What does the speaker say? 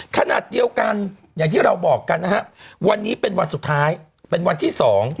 ขนาดเดียวกันอย่างที่เราบอกกันนะฮะวันนี้เป็นวันสุดท้ายเป็นวันที่สอง